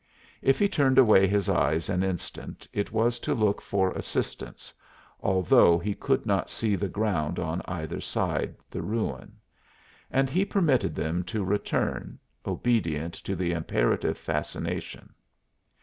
If he turned away his eyes an instant it was to look for assistance (although he could not see the ground on either side the ruin), and he permitted them to return, obedient to the imperative fascination.